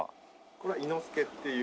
これは伊之助っていう。